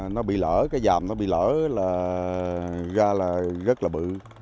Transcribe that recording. nó bị lỡ cái dàm nó bị lở là ra là rất là bự